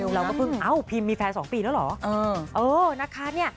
เราก็พึ่งเอ้าพิมมีแฟน๒ปีแล้วเหรอเออนะคะเนี่ย